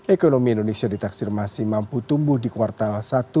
ekonomi indonesia di taksir masih mampu tumbuh di kuartal satu dua ribu dua puluh empat